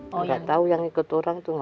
tidak tahu yang ikut orang itu